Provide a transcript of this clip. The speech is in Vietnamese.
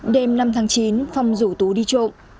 đêm năm tháng chín phong rủ tú đi trộm